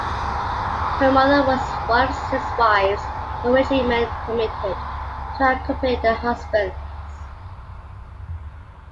Her mother was one of six wives per regiment permitted to accompany their husbands.